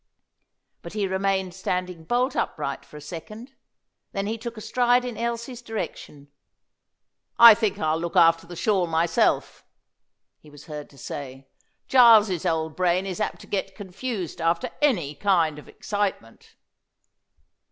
But he remained standing bolt upright for a second. Then he took a stride in Elsie's direction. "I think I'll look after the shawl myself," he was heard to say. "Giles's old brain is apt to get confused after any kind of excitement."